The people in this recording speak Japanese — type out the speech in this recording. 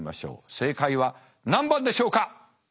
正解は何番でしょうか？